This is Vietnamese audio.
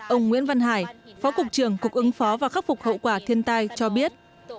ông nguyễn văn hải phó cục trưởng cục ứng phó và khắc phục hậu quả thiên tai cho biết